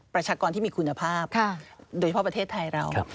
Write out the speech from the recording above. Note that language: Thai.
ประชากรที่มีคุณภาพโดยเฉพาะประเทศไทยเรา